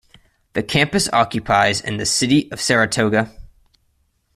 The campus occupies in the city of Saratoga.